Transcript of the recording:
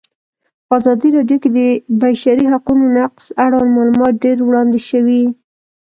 په ازادي راډیو کې د د بشري حقونو نقض اړوند معلومات ډېر وړاندې شوي.